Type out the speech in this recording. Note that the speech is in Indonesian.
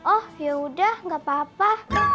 oh ya udah gak apa apa